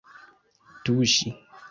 tuŝi